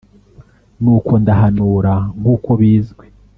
Nuko ndahanura nk uko bizwi